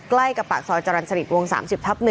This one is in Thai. ใกล้กับปากซอยจรรย์สนิทวง๓๐ทับ๑